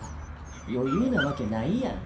余裕なわけないやん。